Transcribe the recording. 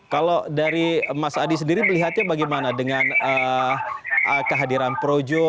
kalau dari mas adi sendiri melihatnya bagaimana dengan kehadiran projo